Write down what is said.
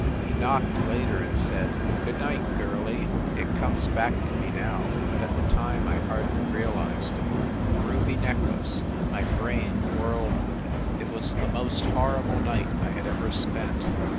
He knocked later and said "Good night, girlie!" It comes back to me now, but at the time I hardly realized it. The ruby necklace! My brain whirled with it! It was the most horrible night I had ever spent.